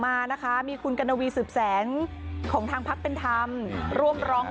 อยากกอดในห้ามพวกนี้